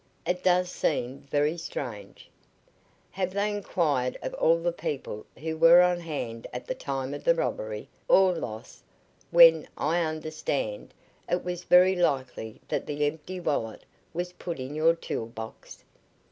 "It does seem very strange." "Have they inquired of all the people who were on hand at the time of the robbery or loss when, I understand, it was very likely that the empty wallet was put in your tool box?"